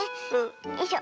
よいしょ。